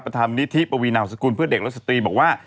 ประธานมนิษฐ์ที่ปวีนาของสกุลเพื่อเด็กรสตรีบอกว่า